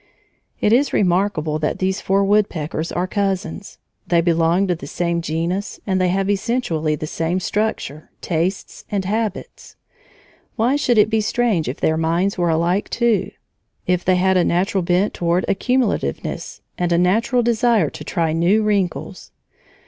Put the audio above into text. It is remarkable that these four woodpeckers are cousins; they belong to the same genus, and they have essentially the same structure, tastes, and habits. Why should it be strange if their minds were alike too? if they had a natural bent toward accumulativeness, and a natural desire to try new wrinkles?